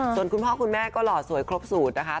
ส่วนคุณพ่อคุณแม่ก็หล่อสวยครบสูตรนะคะ